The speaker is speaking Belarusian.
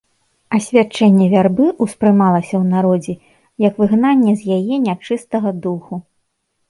Асвячэнне вярбы ўспрымалася ў народзе як выгнанне з яе нячыстага духу.